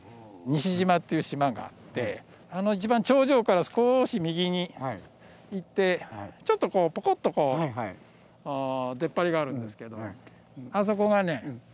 西島っていう島があってあの一番頂上から少し右に行ってちょっとポコッとこう出っ張りがあるんですけれどもあそこがね